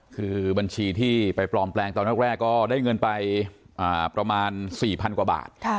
คือบัญชีที่ไปปลอมแปลงตอนแรกก็ได้เงินไปประมาณ๔๐๐๐กว่าบาท